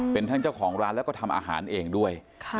เป็นทั้งเจ้าของร้านแล้วก็ทำอาหารเองด้วย